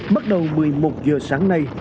bắt đầu một mươi một h sáng nay